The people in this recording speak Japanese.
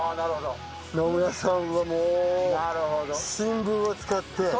野村さんはもう新聞を使って。